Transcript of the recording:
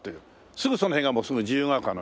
すぐその辺がもう自由が丘のね